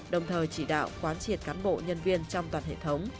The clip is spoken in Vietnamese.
đồng thời chỉ đạo quán triệt cán bộ nhân viên trong toàn hệ thống